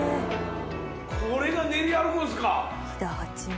これが練り歩くんですか？